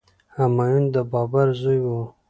همایون د بابر زوی و.